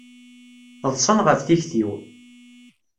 Ḍsan ɣef tikti-w.